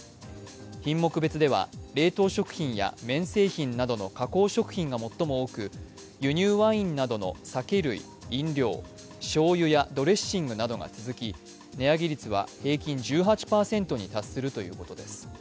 品目別では冷凍食品や麺製品などの加工食品が最も多く輸入ワインなどの酒類・飲料、しょうゆやドレッシングなどが続き、値上げ率は平均１８％に達するということです。